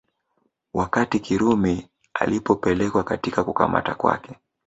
Wakati Kirumi alipopelekwa katika kukamata kwake